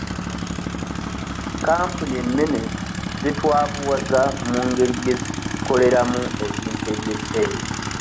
Kampuni ennene zitwavuwaza mu ngeri gye zitukoleramu ebintu eby'ebbeeyi.